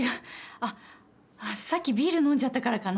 あっさっきビール飲んじゃったからかな。